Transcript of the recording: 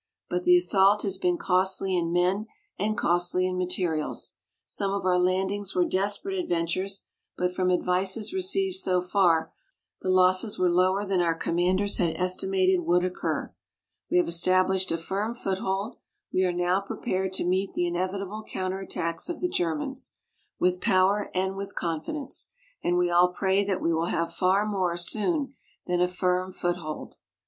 But the assault has been costly in men and costly in materials. Some of our landings were desperate adventures; but from advices received so far, the losses were lower than our commanders had estimated would occur. We have established a firm foothold. We are now prepared to meet the inevitable counterattacks of the Germans with power and with confidence. And we all pray that we will have far more, soon, than a firm foothold.